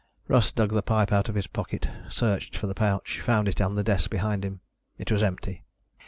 Russ dug the pipe out of his pocket, searched for the pouch, found it on the desk behind him. It was empty.